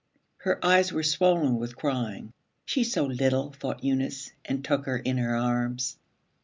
Her eyes were swollen with crying. 'She's so little,' thought Eunice, and took her in her arms.